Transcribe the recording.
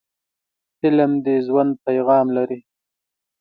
فلم د ژوند پیغام لري